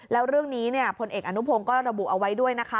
แล้วเรื่องนี้พลเอกอนุพงศ์ก็ระบุเอาไว้ด้วยนะคะ